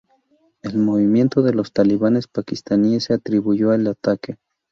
El Movimiento de los Talibanes Pakistaníes se atribuyó el ataque.